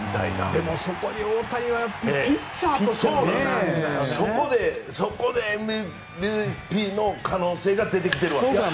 でも、そこに大谷がピッチャーとしてね。そこでＭＶＰの可能性が出てきているわけです！